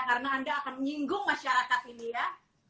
karena anda akan nyinggung masyarakat ini ya